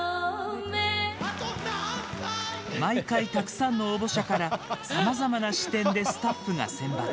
毎回、たくさんの応募者からさまざまな視点でスタッフが選抜。